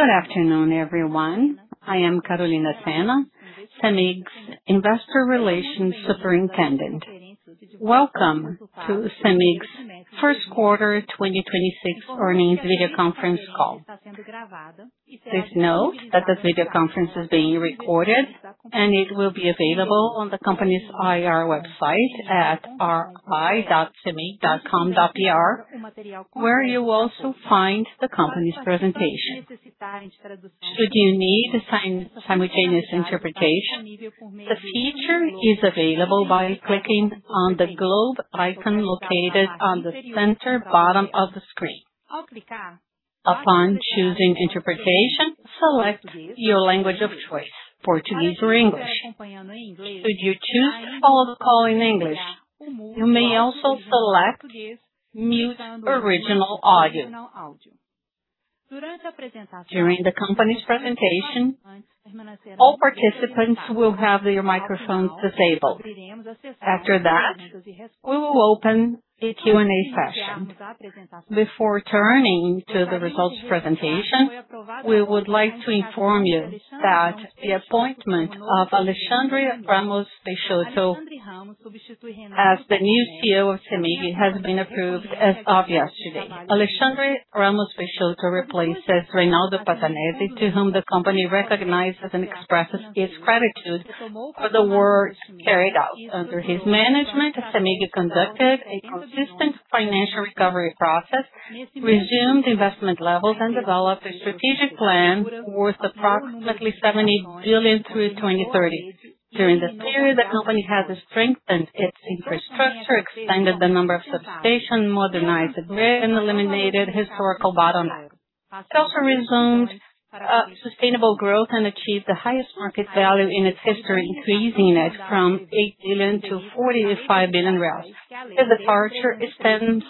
Good afternoon, everyone. I am Carolina Sena, CEMIG's Investor Relations Superintendent. Welcome to CEMIG's first quarter 2026 earnings video conference call. Please note that this video conference is being recorded, and it will be available on the company's IR website at ri.cemig.com.br, where you will also find the company's presentation. Should you need a simultaneous interpretation, the feature is available by clicking on the globe icon located on the center bottom of the screen. Upon choosing interpretation, select your language of choice, Portuguese or English. Should you choose to follow the call in English, you may also select mute original audio. During the company's presentation, all participants will have their microphones disabled. After that, we will open a Q&A session. Before turning to the results presentation, we would like to inform you that the appointment of Alexandre Ramos Peixoto as the new CEO of CEMIG has been approved as of yesterday. Alexandre Ramos Peixoto replaces Reynaldo Passanezi Filho, to whom the company recognizes and expresses its gratitude for the work carried out. Under his management, CEMIG conducted a consistent financial recovery process, resumed investment levels, and developed a strategic plan worth approximately 70 billion through 2030. During this period, the company has strengthened its infrastructure, expanded the number of substations, modernized the grid, and eliminated historical bottlenecks. It also resumed sustainable growth and achieved the highest market value in its history, increasing it from 8 billion to 45 billion reais. His departure stems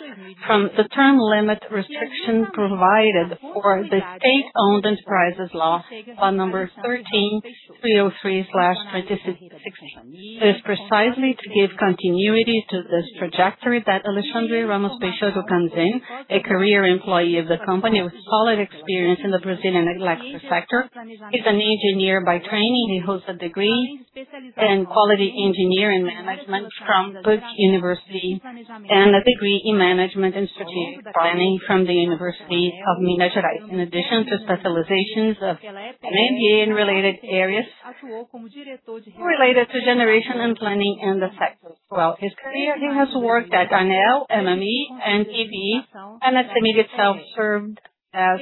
from the term limit restriction provided for in the State-Owned Enterprises Law Nº 13,303/2016. It is precisely to give continuity to this trajectory that Alexandre Ramos Peixoto comes in, a career employee of the company with solid experience in the Brazilian electric sector. He is an engineer by training. He holds a degree in quality engineer and management from PUC Minas and a degree in management and strategic planning from the Universidade Federal de Minas Gerais. In addition to specializations of an MBA in related areas related to generation and planning in the sector. Throughout his career, he has worked at ANEEL, MME, and EBE, and at CEMIG itself served as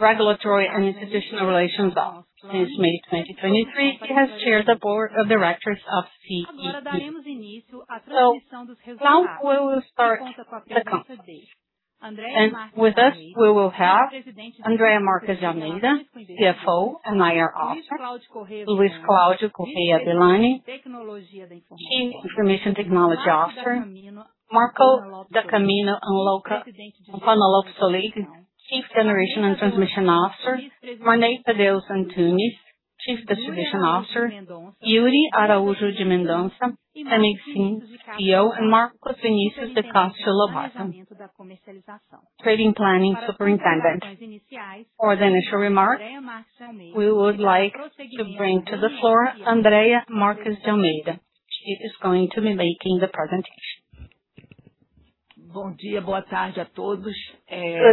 Regulatory and Institutional Relations Officer. Since May 2023, he has chaired the board of directors of CEP. Now we will start the conference. With us, we will have Andrea Marques de Almeida, CFO and IR Officer. Luis Cláudio Correa Villani, Chief Information Technology Officer. Marco da Camino Ancona Lopez Soligo, Chief Generation and Transmission Officer. Marney Tadeu Antunes, Chief Distribution Officer. Yuri Araujo de Mendonca, CEMIG's CEO. Marcos Vinícius de Castro Lobato, Trading Planning Superintendent. For the initial remarks, we would like to bring to the floor Andrea Marques de Almeida. She is going to be making the presentation. Good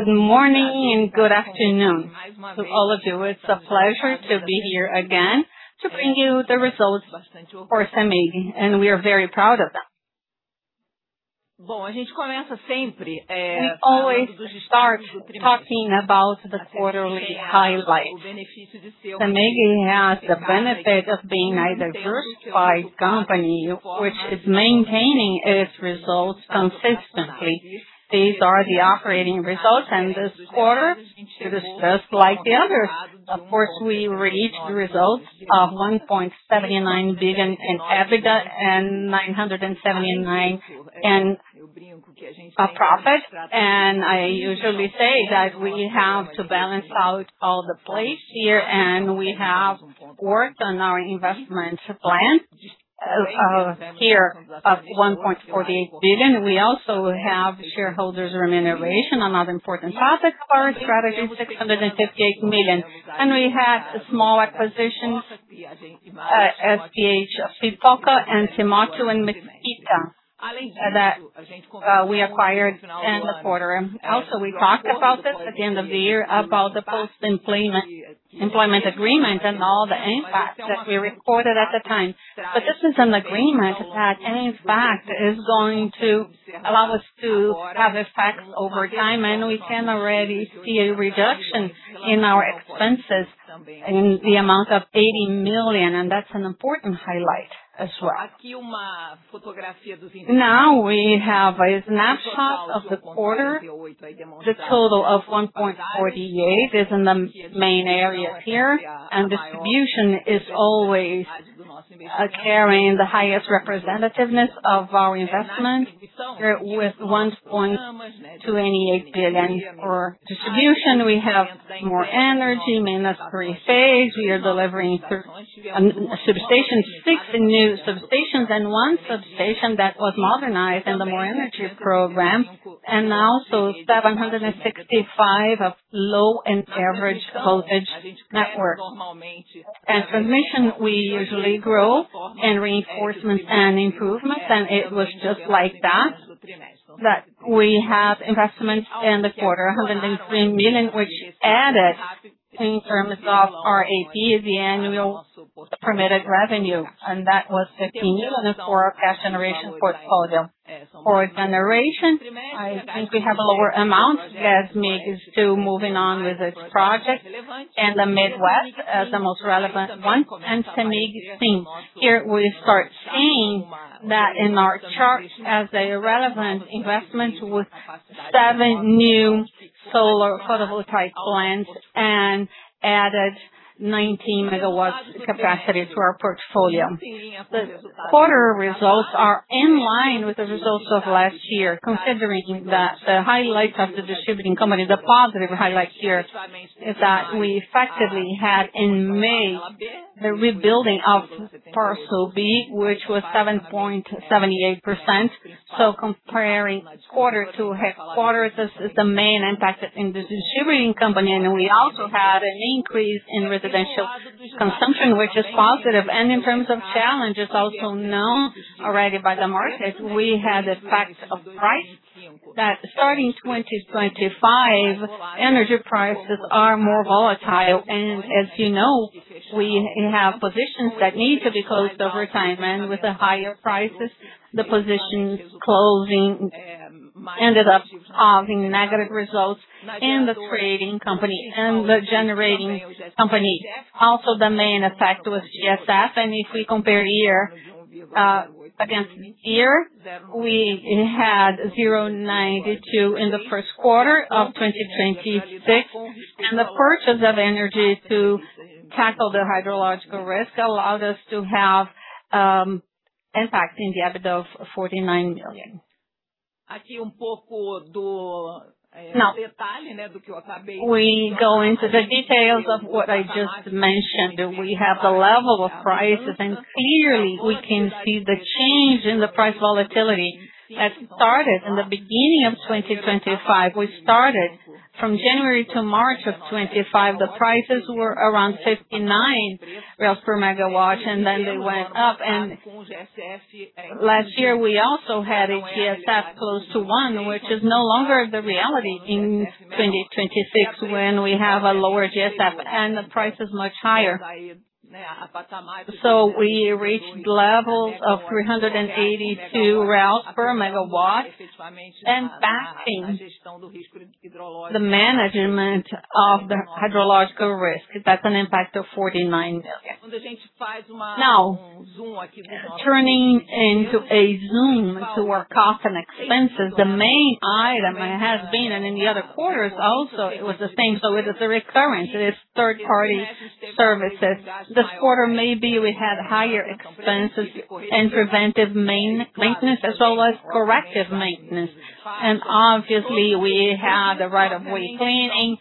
morning and good afternoon to all of you. It's a pleasure to be here again to bring you the results for CEMIG, and we are very proud of that. We always start talking about the quarterly highlights. CEMIG has the benefit of being a diversified company which is maintaining its results consistently. These are the operating results, and this quarter, it is just like the others. Of course, we reached results of 1.79 billion in EBITDA and 979 in profit. I usually say that we have to balance out all the plays here, we have worked on our investment plan, here of 1.48 billion. We also have shareholders' remuneration, another important topic of our strategy, 658 million. We have a small acquisition, PCH Pipoca and Temacu in Mesquita, that we acquired in the quarter. Also, we talked about this at the end of the year, about the post-employment, employment agreement and all the impacts that we recorded at the time. This is an agreement that in fact is going to allow us to have effects over time, and we can already see a reduction in our expenses in the amount of 80 million, and that's an important highlight as well. Now we have a snapshot of the quarter. The total of 1.48 is in the main area here. Distribution is always carrying the highest representativeness of our investment here with 1.28 billion for distribution. We have More Energy, main delivery phase. We are delivering substations. six new substations and one substation that was modernized in the More Energy Program. Now, 765 of low and average voltage network. As transmission, we usually grow in reinforcement and improvements. It was just like that we have investments in the quarter, 103 million, which added in terms of our RAP is the Annual Permitted Revenue. That was BRL 15 million for our cash generation portfolio. For generation, I think we have a lower amount as CEMIG is still moving on with its project in the Midwest as the most relevant one. Cemig Wind, here we start seeing that in our charts as a relevant investment with seven new solar photovoltaic plants and added 19 MW capacity to our portfolio. The quarter results are in line with the results of last year, considering that the highlights of the distributing company, the positive highlight here is that we effectively had in May the rebuilding of Parcela B, which was 7.78%. Comparing quarter to quarter, this is the main impact in the distributing company. We also had an increase in residential consumption, which is positive. In terms of challenges, also known already by the market, we had the effect of price that starting 2025, energy prices are more volatile. As you know, we have positions that need to be closed over time. With the higher prices, the positions closing, ended up having negative results in the creating company, in the generating company. The main effect was GSF. If we compare year against year, we had 0.92 in the first quarter of 2026. The purchase of energy to tackle the hydrological risk allowed us to have impact in the EBITDA of BRL 49 million. We go into the details of what I just mentioned. We have the level of prices, clearly we can see the change in the price volatility that started in the beginning of 2025. We started from January to March of 2025. The prices were around 59 reais per megawatt, then they went up. Last year we also had a GSF close to one, which is no longer the reality in 2026 when we have a lower GSF and the price is much higher. We reached levels of 382 per megawatt, impacting the management of the hydrological risk. That's an impact of 49 million. Turning into a zoom to our cost and expenses, the main item, and it has been, and in the other quarters also it was the same, so it is a recurrence, it is third party services. This quarter maybe we had higher expenses in preventive maintenance as well as corrective maintenance. Obviously we had the right of way cleaning.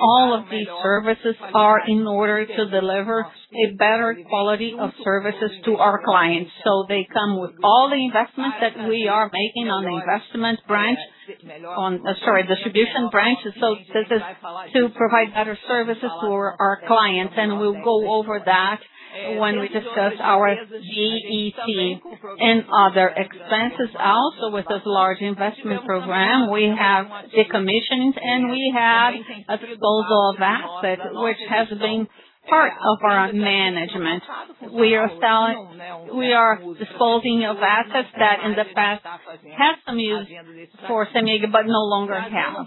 All of these services are in order to deliver a better quality of services to our clients. They come with all the investments that we are making on the investment branch, on, sorry, distribution branch. This is to provide better services for our clients, and we'll go over that when we discuss our GAC and other expenses. Also, with this large investment program, we have decommissions, and we have a disposal of assets which has been part of our management. We are disposing of assets that in the past has been used for CEMIG but no longer have.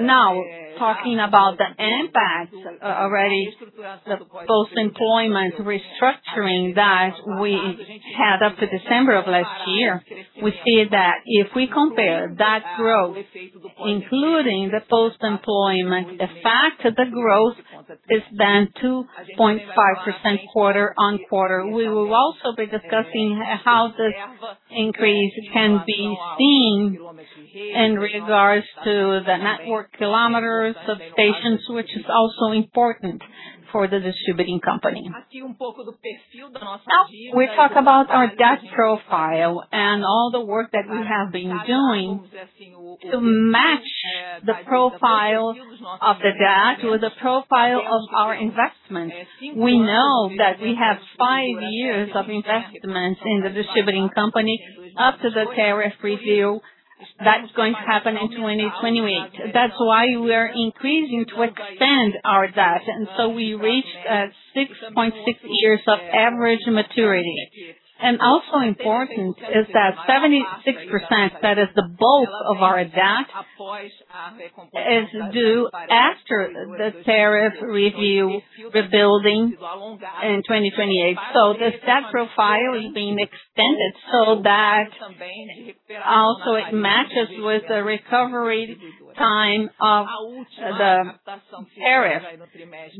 Now, talking about the impact, already the post-employment restructuring that we had up to December of last year. We see that if we compare that growth, including the post-employment effect, the growth is then 2.5% quarter-on-quarter. We will also be discussing how this increase can be seen in regards to the network kilometers of stations, which is also important for the distributing company. Now, we talk about our debt profile and all the work that we have been doing to match the profile of the debt with the profile of our investment. We know that we have five years of investment in the distributing company up to the tariff review that's going to happen in 2028. That's why we are increasing to expand our debt. We reached 6.6 years of average maturity. Also important is that 76%, that is the bulk of our debt, is due after the tariff review rebuilding in 2028. This debt profile is being extended so that also it matches with the recovery time of the tariff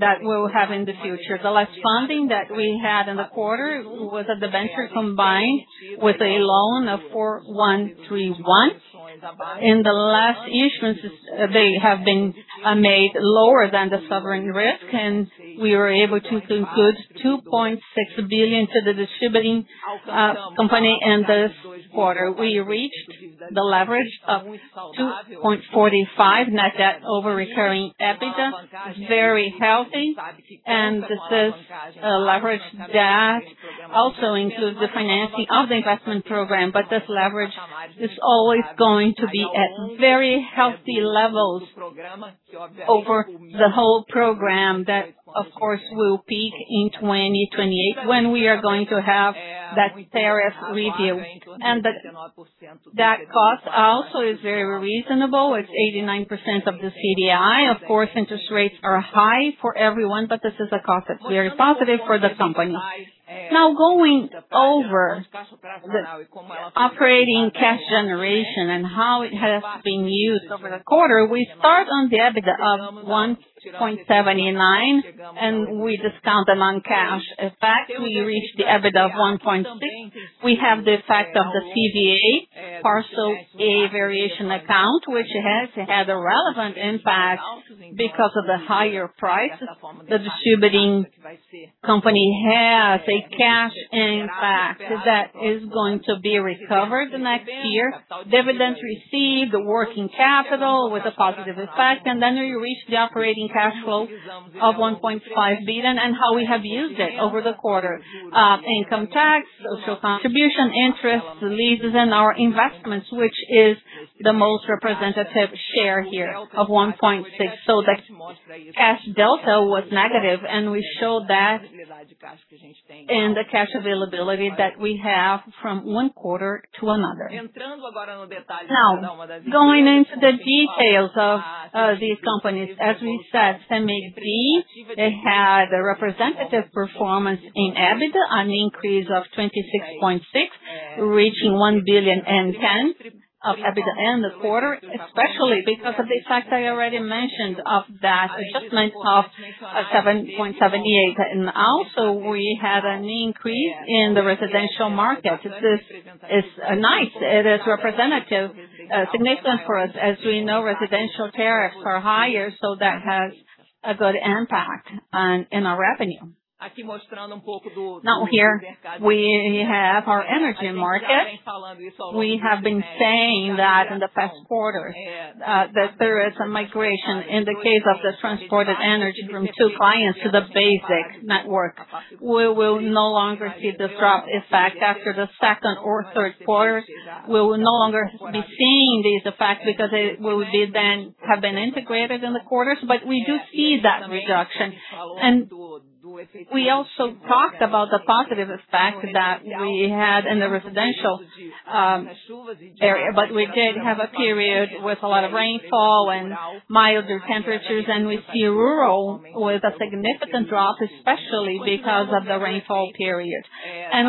that we'll have in the future. The last funding that we had in the quarter was a debenture combined with a loan of Law 4,131. They have been made lower than the sovereign risk, and we were able to include 2.6 billion to the distributing company in this quarter. We reached the leverage of 2.45, net debt over recurring EBITDA. It's very healthy. This is a leverage that also includes the financing of the investment program. This leverage is always going to be at very healthy levels over the whole program that, of course, will peak in 2028 when we are going to have that tariff review. That cost also is very reasonable. It's 89% of the CDI. Of course, interest rates are high for everyone, but this is a cost that's very positive for the company. Going over the operating cash generation and how it has been used over the quarter, we start on the EBITDA of 1.79, we discount among cash. In fact, we reached the EBITDA of 1.6. We have the effect of the CVA, Parcel A Variation Account, which has had a relevant impact because of the higher price. The distributing company has a cash impact that is going to be recovered next year. Dividends received, working capital with a positive effect, we reach the operating cash flow of 1.5 billion, how we have used it over the quarter. Income tax, social contribution, interests, leases, and our investments, which is the most representative share here of 1.6. The cash delta was negative, and we show that in the cash availability that we have from one quarter to another. Going into the details of these companies, as we said, Cemig D, it had a representative performance in EBITDA, an increase of 26.6%, reaching 1,000,000,010 of EBITDA in the quarter, especially because of the fact I already mentioned of that adjustment of 7.78%. Also, we have an increase in the residential market. This is nice. It is representative, significant for us. As we know, residential tariffs are higher, that has a good impact in our revenue. Here we have our energy market. We have been saying that in the past quarters, that there is a migration in the case of the transported energy from two clients to the basic network. We will no longer see this drop effect after the second or third quarter. We will no longer be seeing these effects because it will be then have been integrated in the quarters, but we do see that reduction. We also talked about the positive effect that we had in the residential area. We did have a period with a lot of rainfall and milder temperatures, and we see rural with a significant drop, especially because of the rainfall period.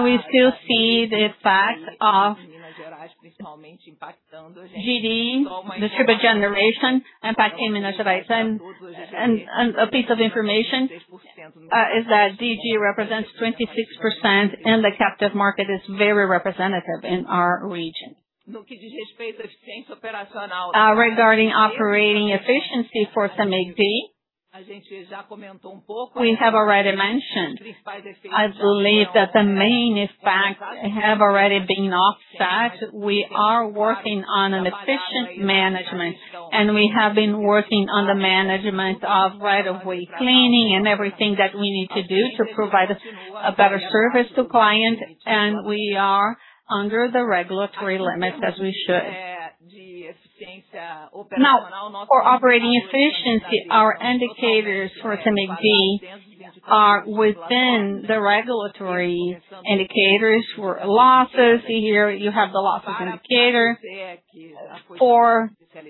We still see the effect of GD, distributed generation, impact in Minas Gerais. A piece of information is that DG represents 26% in the captive market. It's very representative in our region. Regarding operating efficiency for Cemig D, we have already mentioned. I believe that the main effects have already been offset. We are working on an efficient management, we have been working on the management of right-of-way cleaning and everything that we need to do to provide a better service to client, we are under the regulatory limits as we should. For operating efficiency, our indicators for Cemig D are within the regulatory indicators for losses. Here you have the losses indicator for our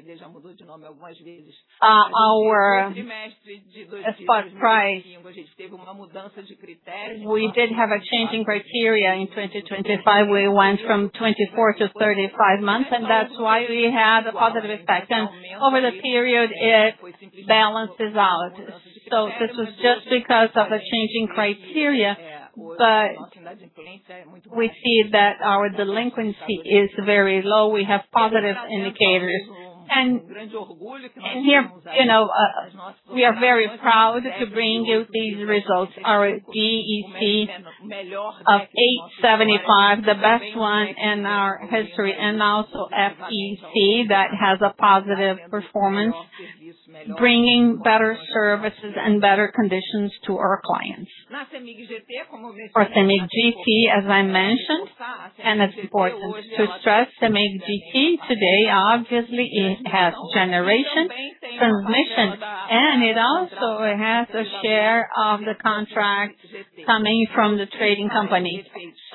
spot price. We did have a change in criteria in 2025. We went from 24 to 35 months, that's why we had a positive effect. Over the period, it balances out. This was just because of a change in criteria, we see that our delinquency is very low. We have positive indicators. Here, you know, we are very proud to bring you these results. Our DEC of 8.75, the best one in our history, and also FEC that has a positive performance, bringing better services and better conditions to our clients. For Cemig GT, as I mentioned, it's important to stress Cemig GT today, obviously it has generation, transmission, and it also has a share of the contract coming from the trading company.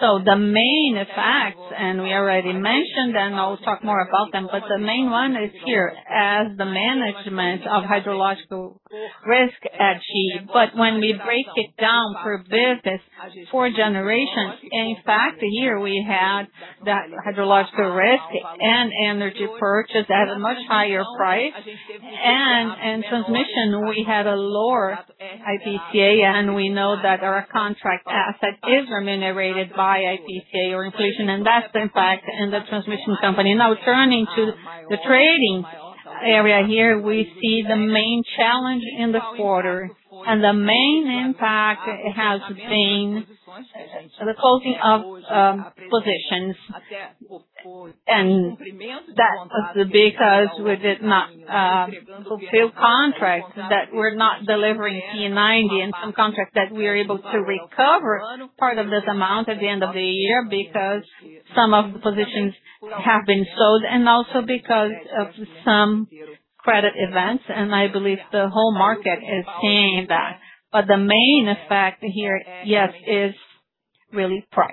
The main effects, we already mentioned, I'll talk more about them, but the main one is here, as the management of hydrological risk achieved. When we break it down per business for generations, in fact, here we had that hydrological risk and energy purchase at a much higher price. In transmission, we had a lower IPCA, and we know that our contract asset is remunerated by IPCA or inflation, and that's the impact in the transmission company. Turning to the trading area here, we see the main challenge in the quarter, and the main impact has been the closing of positions. That is because we did not fulfill contracts, that we're not delivering T90 in some contracts, that we are able to recover part of this amount at the end of the year because some of the positions have been closed and also because of some credit events. I believe the whole market is seeing that. The main effect here, yes, is really price.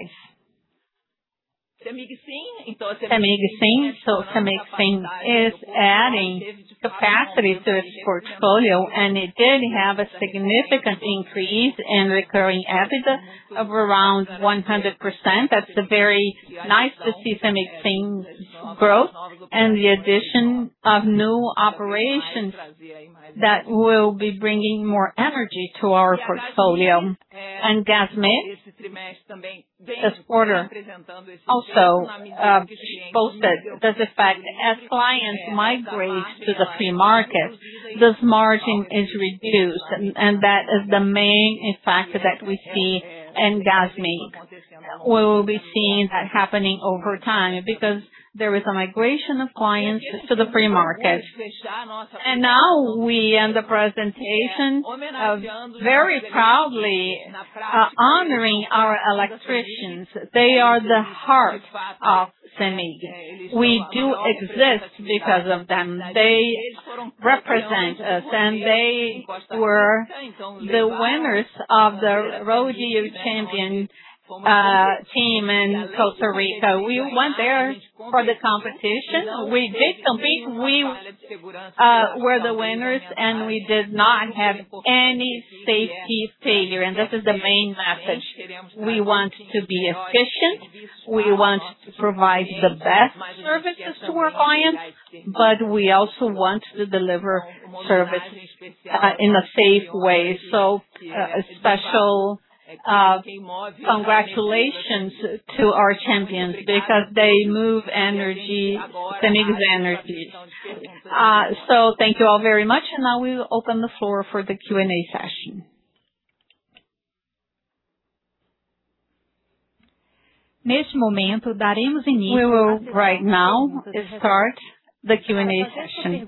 Cemig SIM. Cemig SIM is adding capacity to its portfolio, and it did have a significant increase in recurring EBITDA of around 100%. That's a very nice to see Cemig SIM's growth and the addition of new operations that will be bringing more energy to our portfolio. Gasmig, this quarter also boasted this effect. As clients migrate to the free market, this margin is reduced, and that is the main factor that we see in Gasmig. We will be seeing that happening over time because there is a migration of clients to the free market. Now we end the presentation of very proudly honoring our electricians. They are the heart of CEMIG. We do exist because of them. They represent us, and they were the winners of the Rodeo Champion team in Costa Rica. We went there for the competition. We did compete. We were the winners, and we did not have any safety failure. This is the main message. We want to be efficient. We want to provide the best services to our clients, but we also want to deliver services in a safe way. A special congratulations to our champions because they move energy, CEMIG's energy. Thank you all very much, and now we will open the floor for the Q&A session. We will right now start the Q&A session.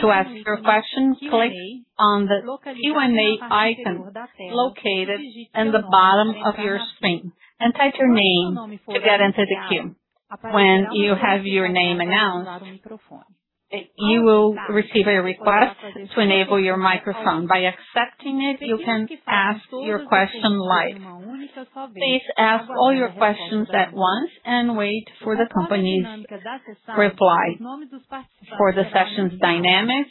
To ask your question, click on the Q&A item located in the bottom of your screen and type your name to get into the queue. When you have your name announced, you will receive a request to enable your microphone. By accepting it, you can ask your question live. Please ask all your questions at once and wait for the company's reply. For the session's dynamics,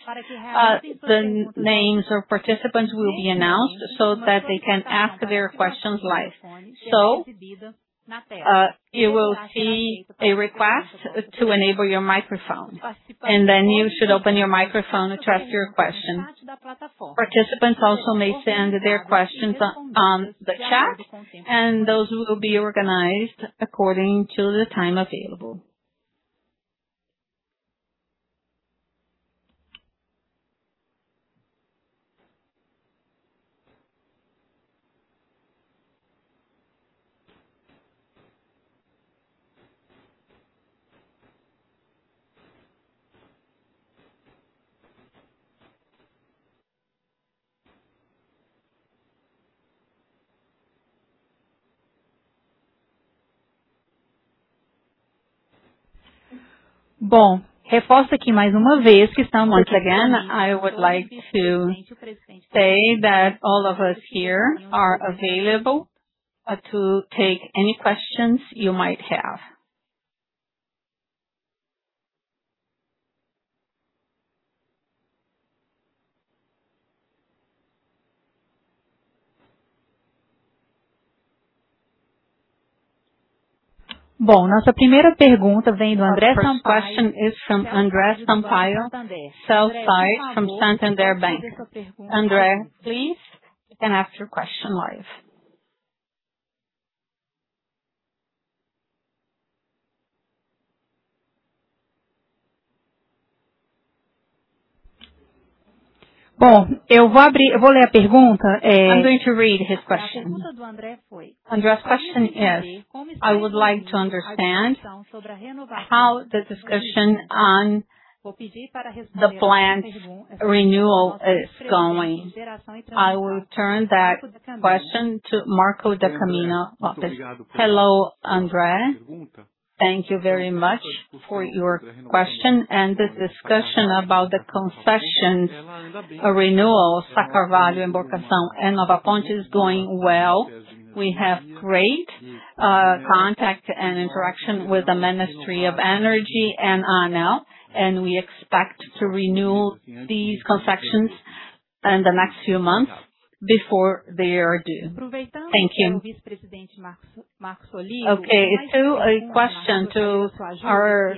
the names of participants will be announced so that they can ask their questions live. You will see a request to enable your microphone, and then you should open your microphone to ask your question. Participants also may send their questions on the chat, and those will be organized according to the time available. Once again, I would like to say that all of us here are available to take any questions you might have. Our first question is from André Sampaio, South Side from Santander Bank. André, please, you can ask your question live. I'm going to read his question. André's question is, I would like to understand how the discussion on the plant renewal is going. I will turn that question to Marco da Camino of this. Hello, André. Thank you very much for your question and the discussion about the concessions renewal, Sá de Carvalho and Emborcação and Nova Ponte is going well. We have great contact and interaction with the Ministry of Energy and ANEEL, we expect to renew these concessions in the next few months before they are due. Thank you. Okay. A question to our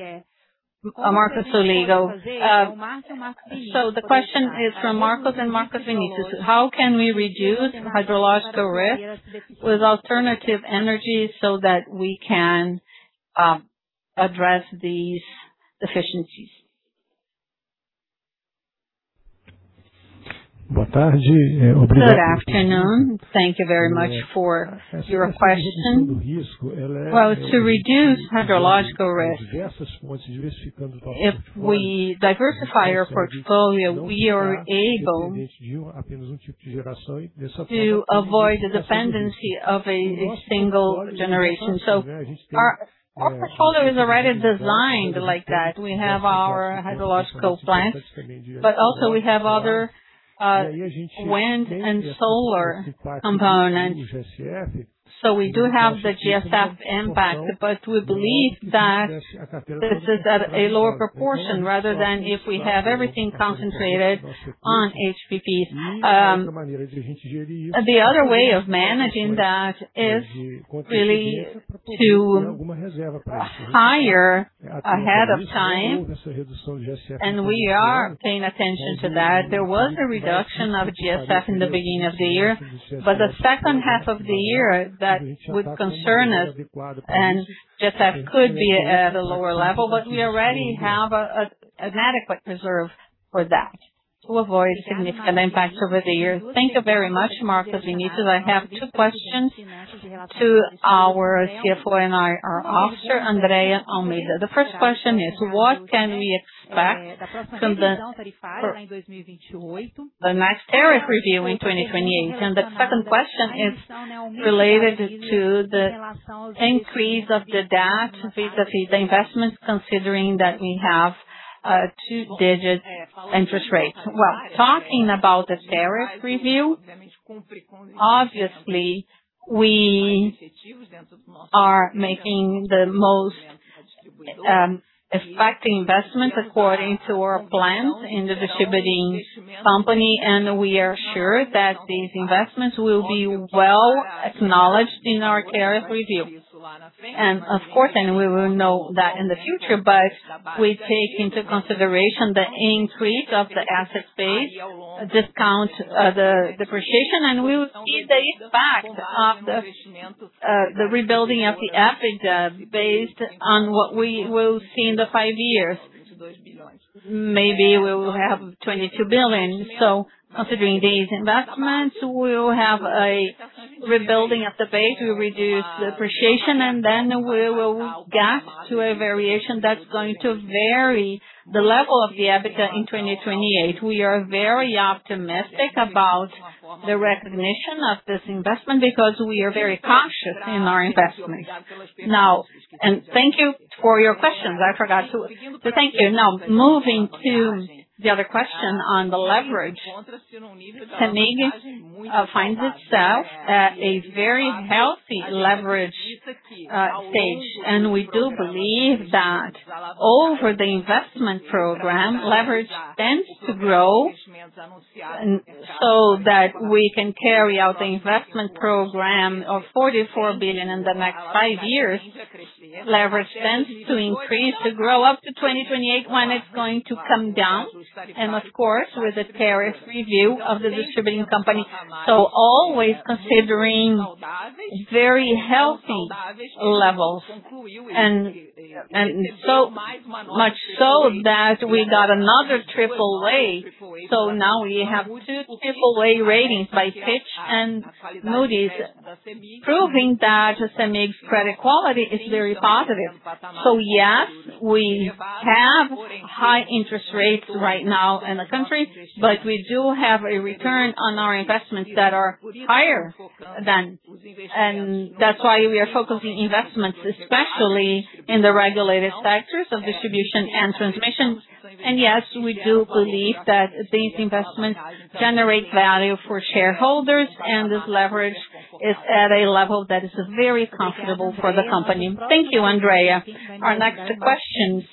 Marco Soligo, the question is from Marco and Marcos Vinícius. How can we reduce hydrological risk with alternative energy so that we can address these efficiencies? Good afternoon. Thank you very much for your question. To reduce hydrological risk, if we diversify our portfolio, we are able to avoid the dependency of a single generation. Our portfolio is already designed like that. We have our hydrological plants, but also we have other wind and solar components. We do have the GSF impact, but we believe that this is at a lower proportion, rather than if we have everything concentrated on HPP. The other way of managing that is really to hire ahead of time, and we are paying attention to that. There was a reduction of GSF in the beginning of the year, but the second half of the year that would concern us and GSF could be at a lower level. We already have an adequate reserve for that to avoid significant impacts over the years. Thank you very much, Marcos Vinícius. I have two questions to our CFO and IR Officer, Andrea Almeida. The first question is, what can we expect from the, for the next tariff review in 2028? The second question is related to the increase of the debt vis-à-vis the investments, considering that we have a two-digit interest rate. Talking about the tariff review, obviously, we are making the most effective investment according to our plans in the distributing company. We are sure that these investments will be well acknowledged in our tariff review. Of course, we will know that in the future, but we take into consideration the increase of the asset base, discount, the depreciation, and we will see the impact of the rebuilding of the EBITDA based on what we will see in the five years. Maybe we will have 22 billion. Considering these investments, we will have a rebuilding of the base. We reduce depreciation, then we will get to a variation that's going to vary the level of the EBITDA in 2028. We are very optimistic about the recognition of this investment because we are very cautious in our investment. Thank you for your questions. I forgot to thank you. Moving to the other question on the leverage. CEMIG finds itself at a very healthy leverage stage. We do believe that over the investment program, leverage tends to grow so that we can carry out the investment program of 44 billion in the next five years. Leverage tends to grow up to 2028, when it's going to come down, and of course, with the tariff review of the distributing company. Always considering very healthy levels. Much so that we got another AAA. Now we have two AAA ratings by Fitch Ratings and Moody's, proving that CEMIG's credit quality is very positive. Yes, we have high interest rates right now in the country, but we do have a return on our investments that are higher than. That's why we are focusing investments, especially in the regulated sectors of distribution and transmission. Yes, we do believe that these investments generate value for shareholders, and this leverage is at a level that is very comfortable for the company. Thank you, Andrea. Our next questions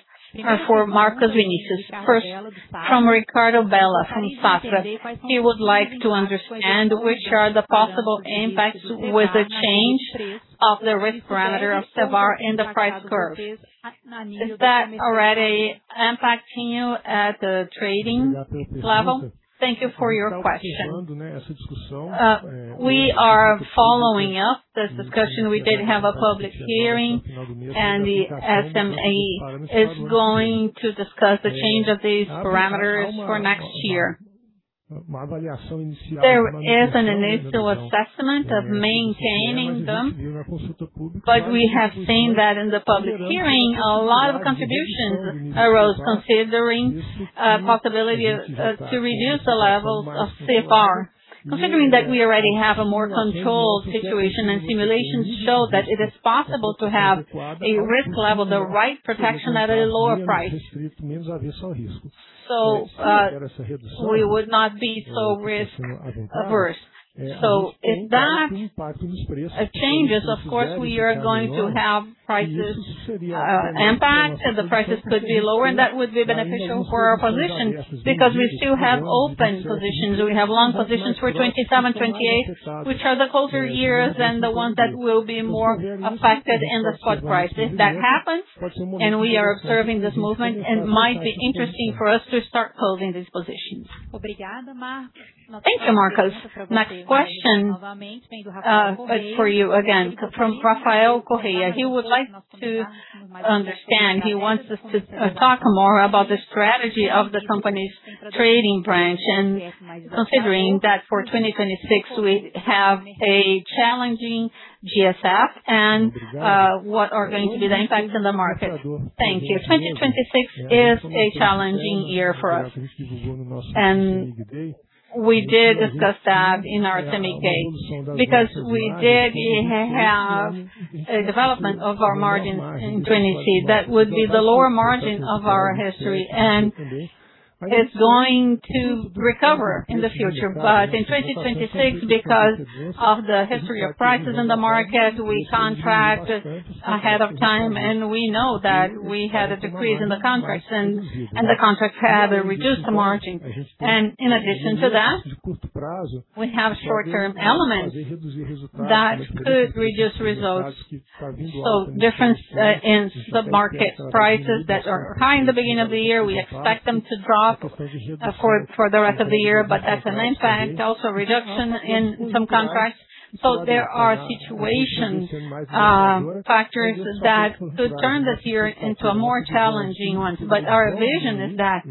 are for Marcos Vinícius. First, from Ricardo Bella from Sasa. He would like to understand which are the possible impacts with the change of the risk parameter of CVaR in the price curve. Is that already impacting you at the trading level? Thank you for your question. We are following up this discussion. We did have a public hearing, and the SMA is going to discuss the change of these parameters for next year. There is an initial assessment of maintaining them. We have seen that in the public hearing, a lot of contributions arose considering possibility to reduce the levels of CFR, considering that we already have a more controlled situation and simulations show that it is possible to have a risk level, the right protection at a lower price. We would not be so risk averse. If that changes, of course, we are going to have prices impact and the prices could be lower and that would be beneficial for our position because we still have open positions. We have long positions for 2027, 2028, which are the colder years and the ones that will be more affected in the spot price. If that happens, and we are observing this movement, it might be interesting for us to start closing these positions. Thank you, Marcos. Next question is for you again. From Rafael Corrêa. He would like to understand. He wants us to talk more about the strategy of the company's trading branch and considering that for 2026 we have a challenging GSF and what are going to be the impacts on the market. Thank you. 2026 is a challenging year for us. We did discuss that in our Cemig Day because we did have a development of our margins in 2022 that would be the lower margin of our history, and it's going to recover in the future. In 2026 because of the history of prices in the market, we contract ahead of time, and we know that we had a decrease in the contracts and the contracts have reduced the margin. In addition to that, we have short-term elements that could reduce results. Difference in submarket prices that are high in the beginning of the year. We expect them to drop for the rest of the year. As an impact, also reduction in some contracts. There are situations, factors that could turn this year into a more challenging one. Our vision is that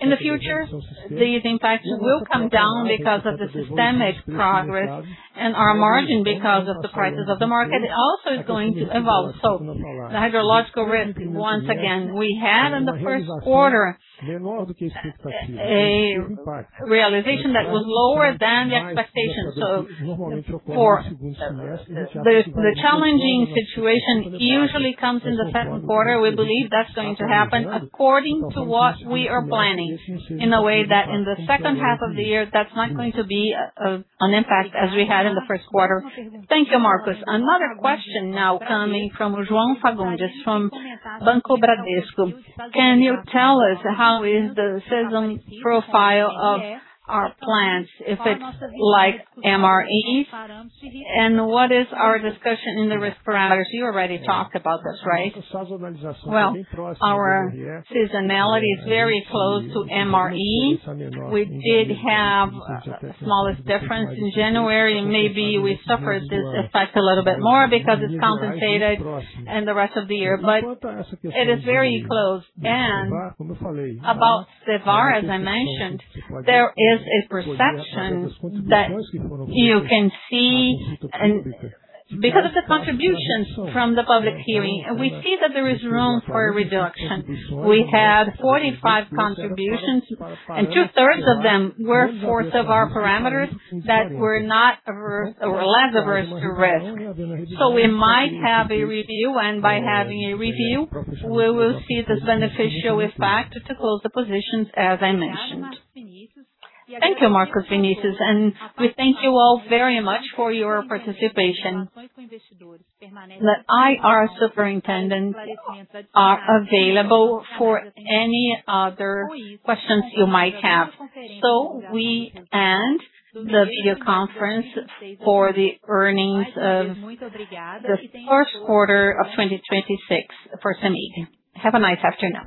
in the future, these impacts will come down because of the systemic progress and our margin because of the prices of the market also is going to evolve. The hydrological risk, once again, we had in the first quarter a realization that was lower than the expectation. The challenging situation usually comes in the first quarter. We believe that's going to happen according to what we are planning in a way that in the second half of the year that's not going to be an impact as we had in the first quarter. Thank you, Marcos. Another question now coming from João Fagundes from Banco Bradesco. Can you tell us how is the season profile of our plants, if it's like MRE? What is our discussion in the risk parameters? You already talked about this, right? Well, our seasonality is very close to MRE. We did have smallest difference in January. Maybe we suffered this effect a little bit more because it's concentrated in the rest of the year. It is very close. About the VaR, as I mentioned, there is a perception that you can see and because of the contributions from the public hearing. We see that there is room for a reduction. We had 45 contributions and two-thirds of them were of our parameters that were not averse or less averse to risk. We might have a review, and by having a review, we will see this beneficial effect to close the positions as I mentioned. Thank you, Marcos Vinícius. We thank you all very much for your participation. The IR superintendents are available for any other questions you might have. We end the via conference for the earnings of the first quarter of 2026 for CEMIG. Have a nice afternoon.